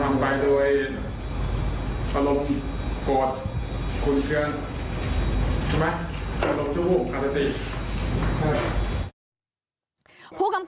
ใช่ไหมอารมณ์ชั่ววูกค่ะจริง